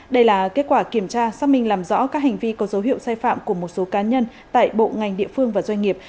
đây là kết quả kiểm tra xác minh làm rõ các hành vi có dấu hiệu sai phạm của một số cá nhân tại bộ ngành địa phương và doanh nghiệp